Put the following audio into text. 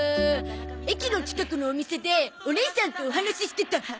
駅の近くのお店でおねいさんとお話してた。